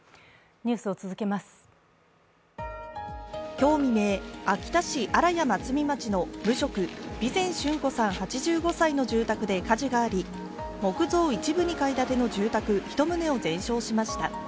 今日未明、秋田市新屋松美町の無職、備前俊子さん８５歳の住宅で火事があり木造一部２階建ての住宅１棟を全焼しました。